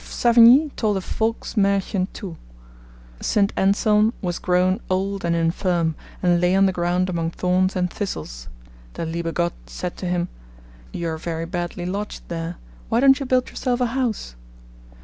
Savigny told a Volksmahrchen too: 'St. Anselm was grown old and infirm, and lay on the ground among thorns and thistles. Der liebe Gott said to him, "You are very badly lodged there; why don't you build yourself a house?"